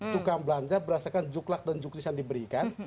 tukang belanja berasakan juklak dan jukris yang diberikan